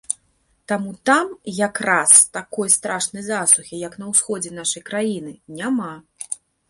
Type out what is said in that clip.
Таму там як раз такой страшнай засухі, як на ўсходзе нашай краіны, няма.